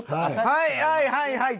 はいはいはいはい！